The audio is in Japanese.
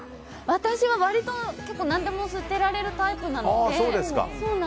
私は割と何でも捨てられるタイプなので。